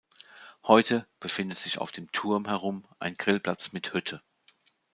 Heute befindet sich um den Turm herum ein Grillplatz mit Hütte.